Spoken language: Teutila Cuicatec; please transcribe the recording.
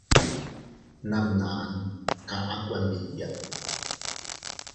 Namnaʼan kaʼa kuandiya.